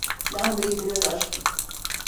Lambayı biraz açtım.